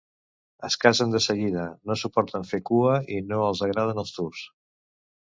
Es cansen de seguida, no suporten fer cua i no els agraden els tours.